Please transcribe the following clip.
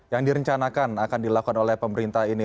yang direncanakan akan dilakukan oleh pemerintah ini